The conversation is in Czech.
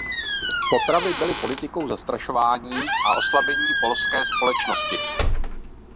Popravy byly politikou zastrašování a oslabení polské společnosti.